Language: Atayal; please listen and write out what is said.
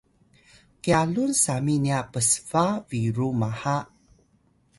kyalun sami nya psba biru maha